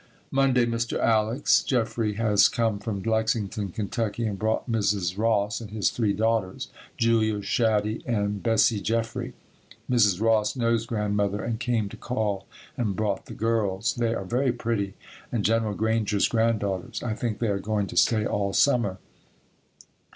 Monday. Mr. Alex. Jeffrey has come from Lexington, Ky., and brought Mrs. Ross and his three daughters, Julia, Shaddie and Bessie Jeffrey. Mrs. Ross knows Grandmother and came to call and brought the girls. They are very pretty and General Granger's granddaughters. I think they are going to stay all summer.